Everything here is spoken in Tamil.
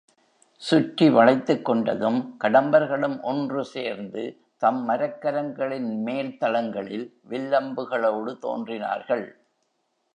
சுற்றி வளைத்துக்கொண்டதும் கடம்பர்களும் ஒன்று சேர்ந்து தம் மரக்கலங்களின் மேல் தளங்களின் வில்லம்புகளோடு தோன்றினார்கள்.